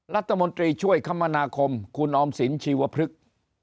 รัฐมนตรีช่วยคมนาคมคุณออมสินชีวพฤกษ์